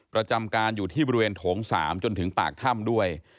ประจำการอยู่ที่บริเวณโถง๓จนถึงปากถ้ำด้วย